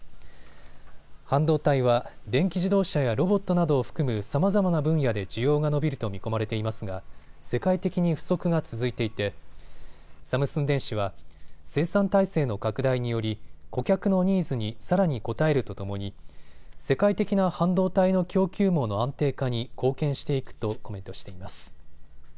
半導体は電気自動車やロボットなどを含むさまざまな分野で需要が伸びると見込まれていますが世界的に不足が続いていてサムスン電子は生産体制の拡大により顧客のニーズにさらに応えるとともに世界的な半導体の供給網の安定化に貢献していくとコメントしています。